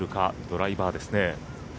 ドライバーですね。